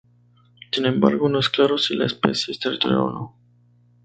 Sin embargo, no es claro si la especie es territorial o no.